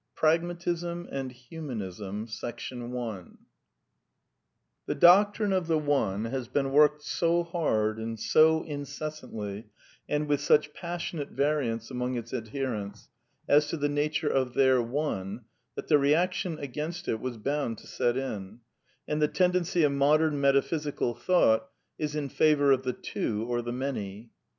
PKAGMATISM AND HUMAKESM The doctrine of the One has been worked so hard and so incessantly and with such passionate variance among its adherents as to the nature of their One," that the reaction against it was bound to set in, and the tendency of modern metaphysical thought is in favour of the Two or the Many.